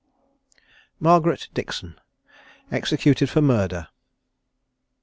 MARGARET DIXON. EXECUTED FOR MURDER.